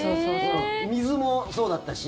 水もそうだったし。